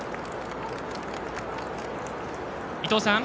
伊藤さん